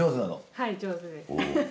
はい上手です。